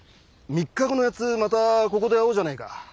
３日後の八ツまたここで会おうじゃねえか。